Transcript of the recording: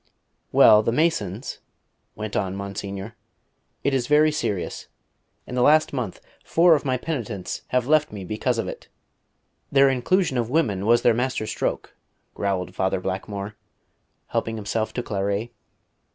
"Well, the Masons " went on Monsignor. "It is very serious. In the last month four of my penitents have left me because of it." "Their inclusion of women was their master stroke," growled Father Blackmore, helping himself to claret.